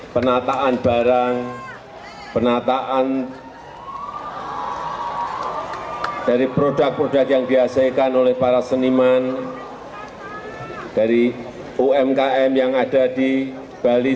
penataan barang penataan dari produk produk yang dihasilkan oleh para seniman dari umkm yang ada di bali